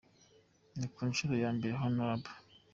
Ni ku nshuro ya mbere Hon.